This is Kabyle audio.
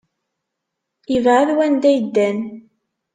Yebɛed wanda ay ddan.